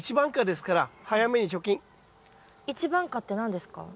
一番果って何ですか？